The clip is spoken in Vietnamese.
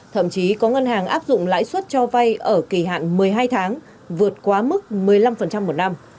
thậm chí có ngân hàng áp dụng lãi suất cho vay ở kỳ hạn một mươi hai tháng vượt quá mức một mươi năm một năm